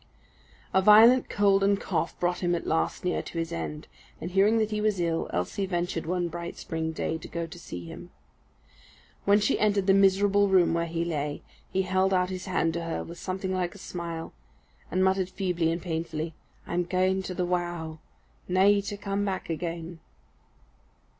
A violent cold and cough brought him at last near to his end, and hearing that he was ill, Elsie ventured one bright spring day to go to see him. When she entered the miserable room where he lay, he held out his hand to her with something like a smile, and muttered feebly and painfully, "I'm gaein' to the wow, nae to come back again."